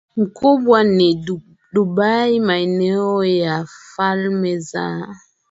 mkubwa ni Dubai Maeneo ya Falme za